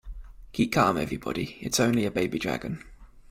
Keep calm everybody, it's only a baby dragon.